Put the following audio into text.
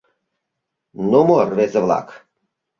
«Ну мо, рвезе-влак?»